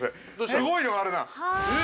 すごいのがあるな。